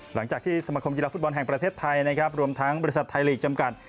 หลังจากที่สมคมกีฬาฟุตบอลแห่งประเทศไทยนะครับรวมทั้งบริษัทไทยลีกจำกัด